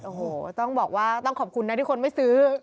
โอ้โหต้องบอกว่าต้องขอบคุณนะที่คนไม่ซื้อ